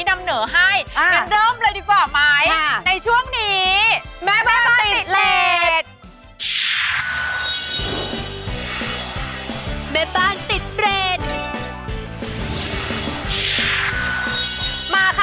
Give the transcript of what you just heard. แม่ป้างติดเลส